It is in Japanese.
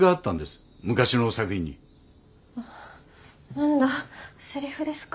何だセリフですか。